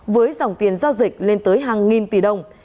với dòng tiền giao dịch lên tới hàng nghìn tỷ đồng